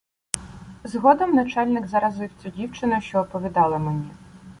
Згодом начальник заразив цю дівчину, що оповідала мені.